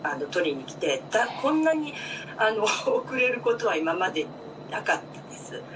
取りに来て、こんなに遅れることは今までなかったんです。